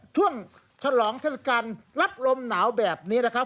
ฉลองเทศกาลรับลมหนาวแบบนี้นะครับ